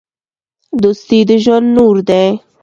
دوستي د ژوند نور دی.